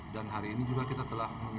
dan hari ini juga kita telah memimpin